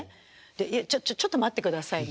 「いやちょっちょっと待ってくださいね」